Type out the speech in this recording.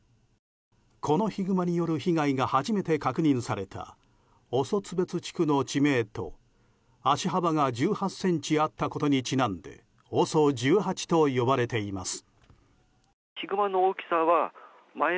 このヒグマによる被害が初めて確認されたオソツベツ地区の地名と足幅が１８ｃｍあったことにちなんでＯＳＯ１８と呼ばれています。